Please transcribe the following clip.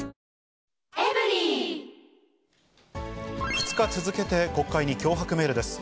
２日続けて国会に脅迫メールです。